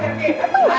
tuh tuh tuh